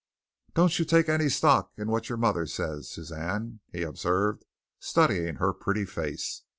"Don't you take any stock in what your mother says, Suzanne," he observed, studying her pretty face.